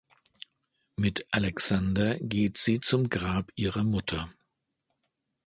Mit Alexander geht sie zum Grab ihrer Mutter.